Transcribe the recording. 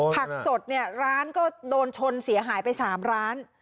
ผักสดเนี่ยร้านก็โดนชนเสียหายไป๓ร้าน